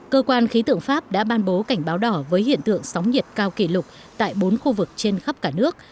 cơ quan khí tượng pháp đã ban bố cảnh báo đỏ với hiện tượng sóng nhiệt cao kỷ lục tại bốn khu vực trên khắp cả nước